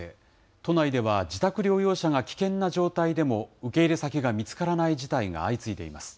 都内では自宅療養者が危険な状態でも、受け入れ先が見つからない事態が相次いでいます。